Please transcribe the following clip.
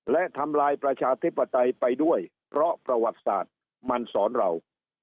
และทำลายประชาธิปไตยไปด้วยเพราะประวัติศาสตร์มันสอนเรา